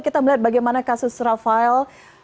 kita melihat bagaimana kasus rafael